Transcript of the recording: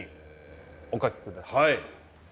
はい。